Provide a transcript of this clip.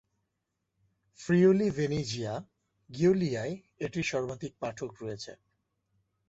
Friuli-Venezia গিউলিয়ায় এটির সর্বাধিক পাঠক রয়েছে।